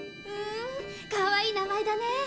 へえかわいい名前だね。